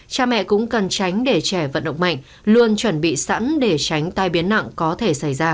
cha mẹ cũng cần tránh để trẻ vận động mạnh luôn chuẩn bị sẵn để tránh tai biến nặng có thể xảy ra